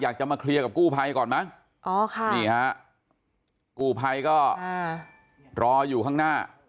นี่คุยกัน